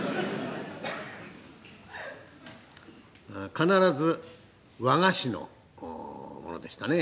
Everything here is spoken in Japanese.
必ず和菓子の物でしたね。